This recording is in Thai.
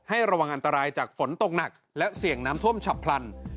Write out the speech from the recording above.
ระวังอันตรายจากฝนตกหนักและเสี่ยงน้ำท่วมฉับพลัน